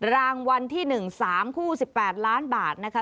รางวัลที่๑๓คู่๑๘ล้านบาทนะคะ